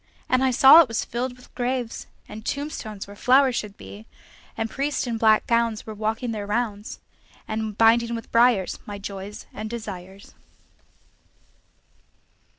And I saw it was filled with graves, And tombstones where flowers should be; And priests in black gowns were walking their rounds, And binding with briars my joys and desires.